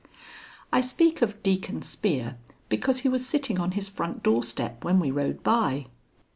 I speak of Deacon Spear because he was sitting on his front doorstep when we rode by.